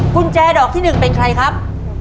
กุญแจดอกที่๑เป็นใครครับ